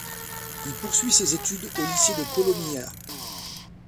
Il poursuit ses études au lycée de Kolomyja.